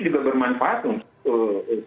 juga bermanfaat untuk